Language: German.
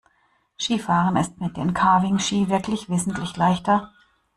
Skifahren ist mit den Carving-Ski wirklich wesentlich leichter.